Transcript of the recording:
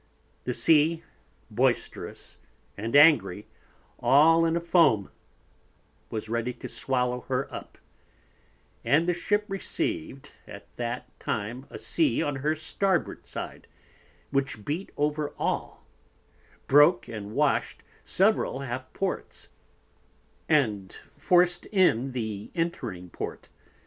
The Sea boisterous and angry, all in a Foam, was ready to swallow her up; and the Ship received at that time a Sea on her Starboard side, which beat over all, broke and washed several half Ports, and forced in the entering Port.